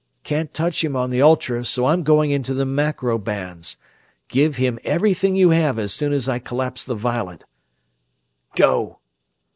Can't touch him on the ultra, so I'm going onto the macro bands. Give him everything you have as soon as I collapse the violet. Go!"